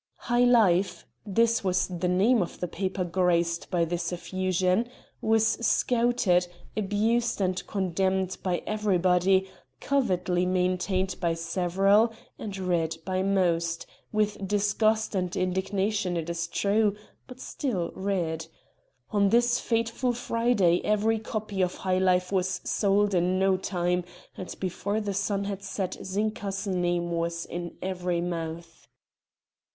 "High Life," this was the name of the paper graced by this effusion was scouted, abused and condemned by everybody, covertly maintained by several, and read by most with disgust and indignation it is true, but still read. On this fateful Friday every copy of "High Life" was sold in no time, and before the sun had set Zinka's name was in every mouth.